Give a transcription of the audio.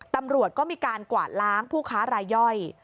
ตำรวจก็มีการกวาดล้างผู้ค้ารายย่อย